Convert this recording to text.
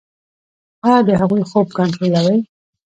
ایا د هغوی خوب کنټرولوئ؟